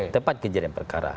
tepat kejadian perkara